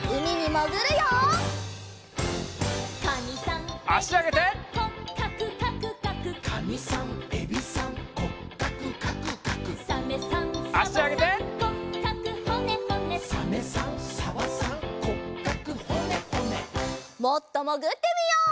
もっともぐってみよう！